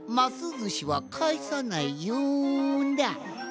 ずしはかえさないよんだ。